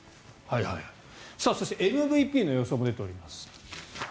そして、ＭＶＰの様子も出ております。